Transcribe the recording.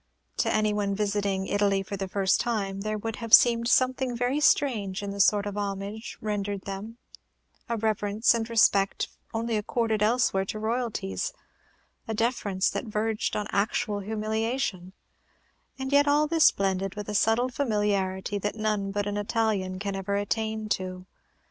To any one visiting Italy for the first time, there would have seemed something very strange in the sort of homage rendered them: a reverence and respect only accorded elsewhere to royalties, a deference that verged on actual humiliation, and yet all this blended with a subtle familiarity that none but an Italian can ever attain to.